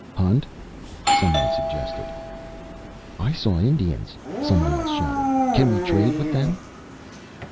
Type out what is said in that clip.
"Hunt?" some one suggested. "I saw Indians," some one else shouted. "Can we trade with them?"